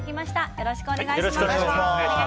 よろしくお願いします。